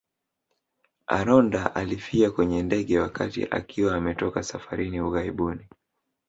Aronda alifia kwenye ndege wakati akiwa ametoka safarini ughaibuni